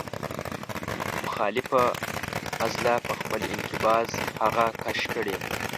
مخالفه عضله په خپل انقباض هغه کش کړي.